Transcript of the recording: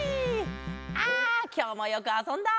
あきょうもよくあそんだ。